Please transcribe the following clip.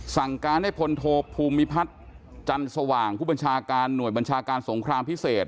สั่งการให้พลโทภูมิพัฒน์จันทร์สว่างผู้บัญชาการหน่วยบัญชาการสงครามพิเศษ